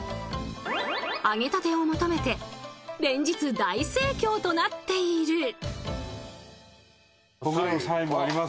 揚げたてを求めて連日大盛況となっている。